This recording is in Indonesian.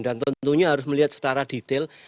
dan tentunya harus melihat secara detail